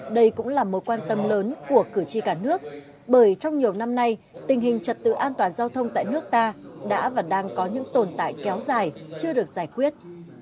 đây cũng là mối quan tâm lớn của cử tri cả nước bởi trong nhiều năm nay tình hình trật tự an toàn giao thông tại nước ta đã và đang có những tồn tại kéo dài chưa được giải quyết